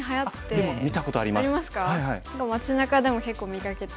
町なかでも結構見かけて。